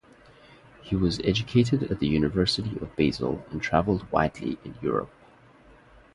He was educated at the University of Basel and traveled widely in Europe.